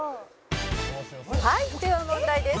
「はいでは問題です」